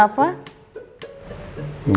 ya emang kenapa